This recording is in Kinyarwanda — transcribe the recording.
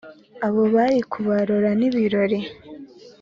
abo bari kubarora ni ibirori